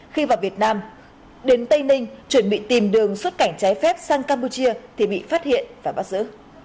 khi vào việt nam đến tây ninh chuẩn bị tìm đường xuất cảnh trái phép sang campuchia thì bị phát hiện và bắt giữ